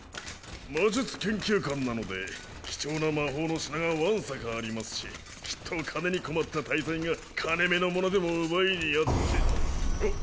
魔術研究館なので貴重な魔法の品がわんさかありますしきっと金に困った大罪が金めのものでも奪いにやってうっ！